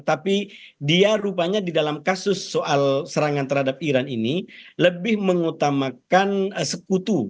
tapi dia rupanya di dalam kasus soal serangan terhadap iran ini lebih mengutamakan sekutu